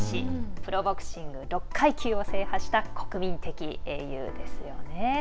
プロボクシング６階級を制覇した国民的英雄ですよね。